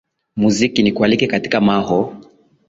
muziki nikualike katika maho